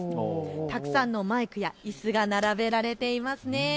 たくさんのマイクやいすが並べられていますね。